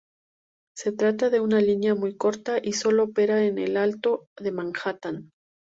Se trata de una línea muy corta, y sólo opera en el Alto Manhattan.